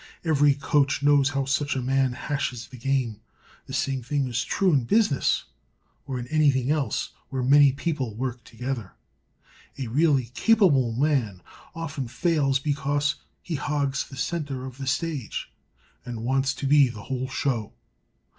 Every coach knows how such a man hashes the game. The same thing is true in business or in anything else where many people work together; a really capable man often fails because he hogs the center of the stage and wants to be the whole show.